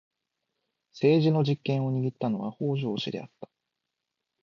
政治の実権を握ったのは北条氏であった。